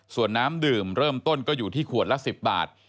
ส่วนน้ำดื่มเริ่มต้นก็อยู่ที่ขวดละ๑๐บาท